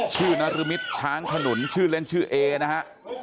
ชื่อนรมิตช้างถนุนชื่อเล่นชื่อเอนะครับ